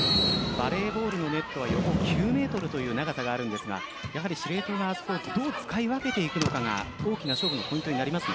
バレーボールのネットは９ｍという長さがあるんですが司令塔がどう使い分けていくのかが大きな勝負のポイントになりますね。